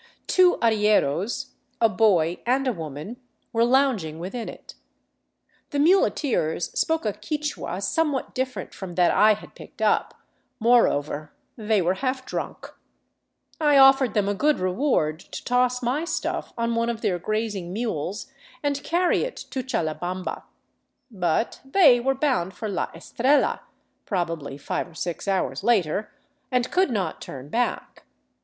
Two arrieros, a boy, and a woman, were lounging within it. The muleteers spoke a Quichua somewhat different from that I had picked up ; moreover they were half drunk. I offered them a good reward to toss my stuff on one of their grazing mules and carry it to " Challabamba." But they were bound for " La Estrella "— probably five or six hours later — and could not turn back.